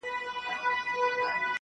يو دی چي يې ستا په نوم آغاز دی_